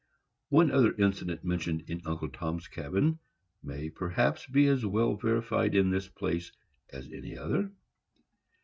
_" One other incident mentioned in "Uncle Tom's Cabin" may, perhaps, be as well verified in this place as in any other.